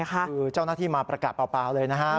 คือเจ้าหน้าที่มาประกาศเปล่าเลยนะฮะ